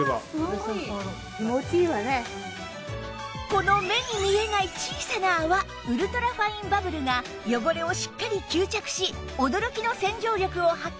この目に見えない小さな泡ウルトラファインバブルが汚れをしっかり吸着し驚きの洗浄力を発揮